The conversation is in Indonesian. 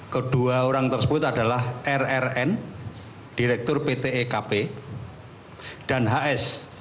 kedua orang tersebut adalah rrn direktur pt ekp dan hs